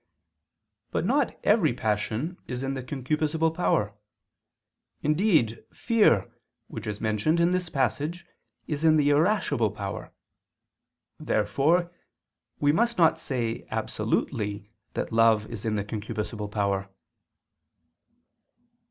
But not every passion is in the concupiscible power; indeed, fear, which is mentioned in this passage, is in the irascible power. Therefore we must not say absolutely that love is in the concupiscible power.